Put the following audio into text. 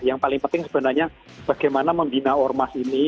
yang paling penting sebenarnya bagaimana membina ormas ini